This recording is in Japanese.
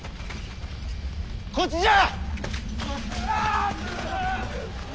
こっちじゃ！